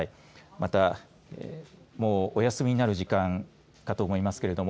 また、もうお休みになる時間かと思いますけれども。